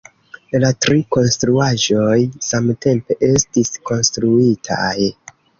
La tri konstruaĵoj samtempe estis konstruitaj.